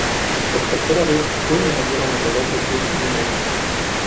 Por tercera vez fue el mayor anotador del club en un año.